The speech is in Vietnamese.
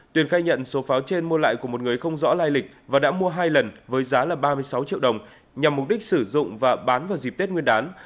tuyền khai nhận số pháo trên mua lại của một người không rõ lai lịch và đã mua hai lần với giá là ba mươi sáu triệu đồng nhằm mục đích sử dụng và bán vào dịp tết nguyên đán